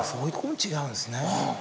違うんですね。